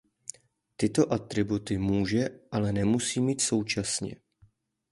Tyto atributy může ale nemusí mít současně.